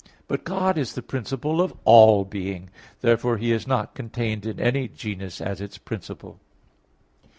But God is the principle of all being. Therefore He is not contained in any genus as its principle.